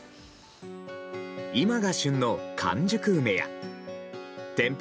今が旬の完熟梅や天日